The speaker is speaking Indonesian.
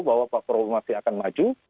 bahwa pak prabowo masih akan maju